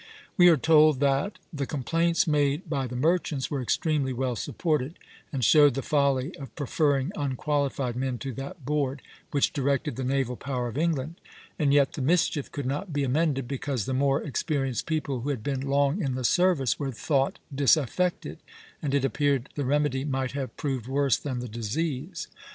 We are told that "the complaints made by the merchants were extremely well supported, and showed the folly of preferring unqualified men to that board which directed the naval power of England; and yet the mischief could not be amended, because the more experienced people who had been long in the service were thought disaffected, and it appeared the remedy might have proved worse than the disease."